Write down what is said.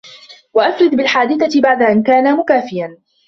وَأُفْرِدَ بِالْحَادِثَةِ بَعْدَ أَنْ كَانَ مُكَافِيًا